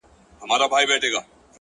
هره موخه د تمرین غوښتنه لري!